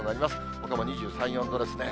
ほかも２３、４度ですね。